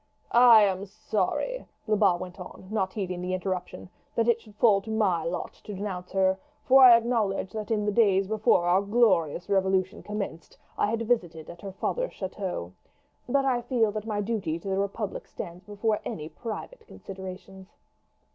"I am sorry," Lebat went on, not heeding the interruption, "that it should fall to my lot to denounce her, for I acknowledge that in the days before our glorious Revolution commenced I have visited at her father's chateau. But I feel that my duty to the republic stands before any private considerations."